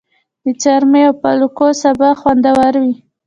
د څارمي او پالکو سابه خوندور وي.